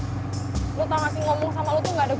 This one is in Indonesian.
kepala itu akan menjadi kenangan manis saat kita di sekolah